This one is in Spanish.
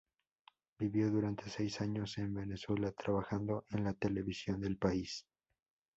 Vivió durante seis años en Venezuela, trabajando en la televisión del país.